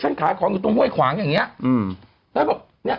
ฉันขายของอยู่ตรงห้วยขวางอย่างนี้